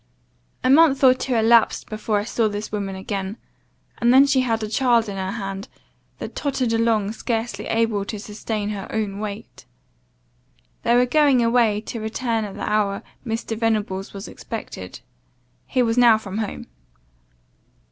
"A month or two elapsed before I saw this woman again; and then she had a child in her hand that tottered along, scarcely able to sustain her own weight. They were going away, to return at the hour Mr. Venables was expected; he was now from home.